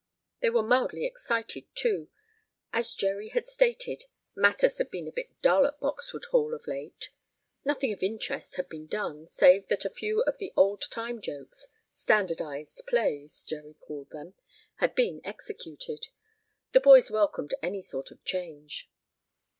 They were mildly excited, too. As Jerry had stated, matters had been a bit dull at Boxwood Hall of late. Nothing of interest had been done, save that a few of the old time jokes "standardized plays" Jerry called them, had been executed. The boys welcomed any sort of change.